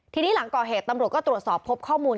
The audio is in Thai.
ทีนี้หลังก่อเหตุตำรวจก็ตรวจสอบพบข้อมูล